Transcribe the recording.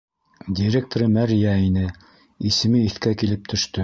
Директоры мәрйә ине, исеме иҫкә килеп төштө.